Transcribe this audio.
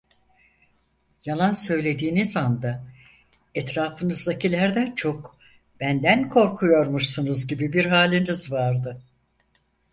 Yalan söylediğiniz anda, etrafınızdakilerden çok benden korkuyormuşsunuz gibi bir haliniz vardı.